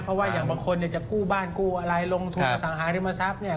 เพราะว่าอย่างบางคนเนี่ยจะกู้บ้านกู้อะไรลงทุนอสังหาริมทรัพย์เนี่ย